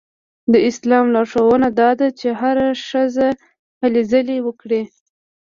د اسلام لارښوونه دا ده چې هره ښځه هلې ځلې وکړي.